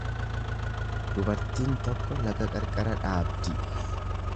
Dubartiin tokko laga qarqara dhaabdi.